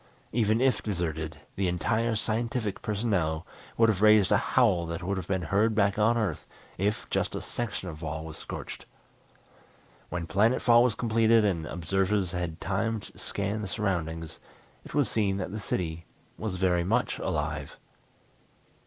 Even if deserted, the entire scientific personnel would have raised a howl that would have been heard back on Earth if just a section of wall was scorched. When planet fall was completed and observers had time to scan the surroundings it was seen that the city was very much alive.